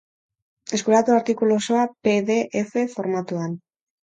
Eskuratu artikulu osoa pe de efe formatuan.